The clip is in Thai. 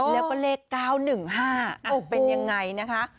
แล้วก็เลข๙๑๕เป็นยังไงนะคะ